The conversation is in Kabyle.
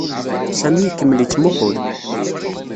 Sami ikemmel yettmuqqul.